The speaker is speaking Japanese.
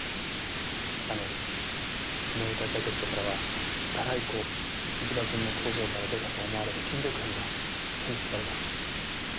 あの燃えたジャケットからはダライ粉一場君の工場から出たと思われる金属片が検出されたんです。